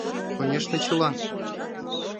— Конешне, чылан.